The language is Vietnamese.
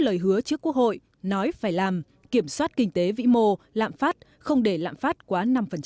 lời hứa trước quốc hội nói phải làm kiểm soát kinh tế vĩ mô lạm phát không để lạm phát quá năm